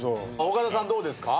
岡田さんどうですか？